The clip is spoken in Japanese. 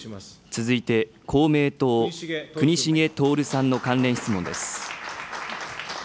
続いて、公明党、國重徹さんの関連質問です。